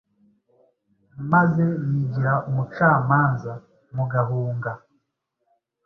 maze yigira umucamanza.mugahunga